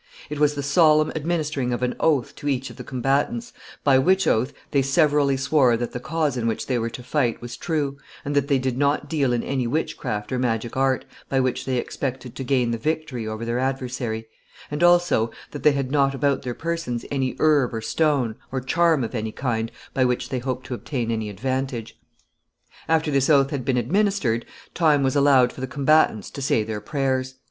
It was the solemn administering of an oath to each of the combatants, by which oath they severally swore that the cause in which they were to fight was true, and that they did not deal in any witchcraft or magic art, by which they expected to gain the victory over their adversary; and also, that they had not about their persons any herb or stone, or charm of any kind, by which they hoped to obtain any advantage. After this oath had been administered, time was allowed for the combatants to say their prayers.